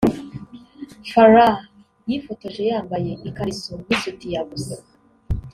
Farrah yifotoje yambaye ikariso n’isutiya gusa